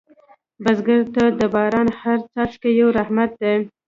بزګر ته د باران هره څاڅکې یو رحمت دی